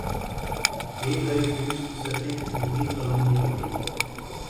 Lehigh finished second in the Colonial League.